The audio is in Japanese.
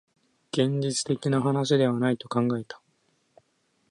現実的な話ではないと考えた